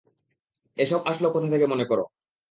এসব আসলো কোথা থেকে মনে কর?